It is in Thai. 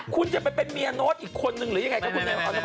คุณจะไปเป็นเมียโน้ตอีกคนนึงหรือยังไงคะคุณแนน